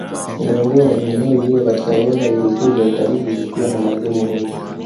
Ngorongoro ni eneo lililo katika orodha ya vivutio vya utalii likiwa na maajabu mengi